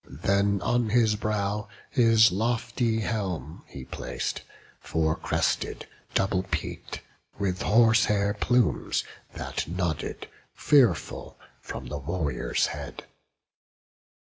Then on his brow his lofty helm he plac'd, Four crested, double peak'd, with horsehair plumes, That nodded, fearful, from the warrior's head.